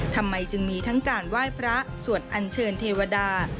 ทำไมจึงมีทั้งการไหว้พระสวดอัญเชิญเทวดา